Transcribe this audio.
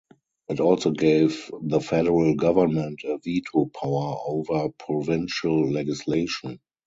It also gave the federal government a veto power over provincial legislation.